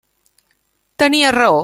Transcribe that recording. Tenies raó.